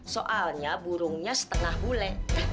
soalnya burungnya setengah bule